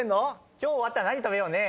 今日終わったら何食べようね。